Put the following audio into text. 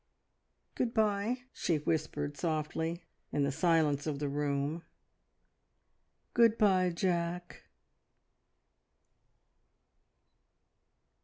"Good bye!" she whispered softly, in the silence of the room. "Good bye, Jack!"